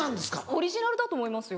オリジナルだと思いますよ。